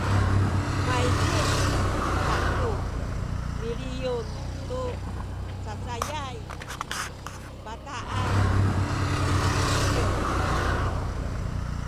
maydih kaku miliyun tu cacayay a bataan a kalisiw